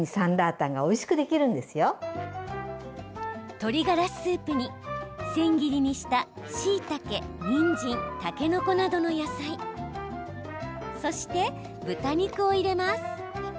鶏ガラスープに千切りにしたしいたけにんじん、たけのこなどの野菜そして豚肉を入れます。